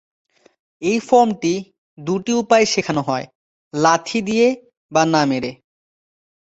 এই ফর্মটি দুটি উপায়ে শেখানো হয়: লাথি দিয়ে বা না মেরে।